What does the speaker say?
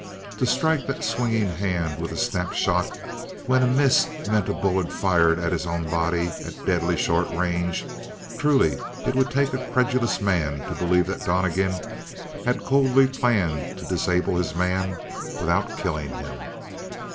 To strike that swinging hand with a snap shot, when a miss meant a bullet fired at his own body at deadly short range truly it would take a credulous man to believe that Donnegan had coldly planned to disable his man without killing him.